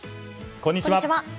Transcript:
こんにちは。